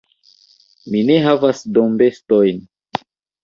Mi ne havas dombestojn.